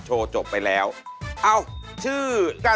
สวัสดีครับ